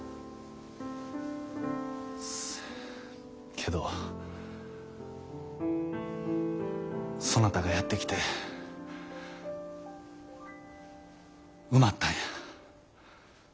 けどそなたがやって来て埋まったんや。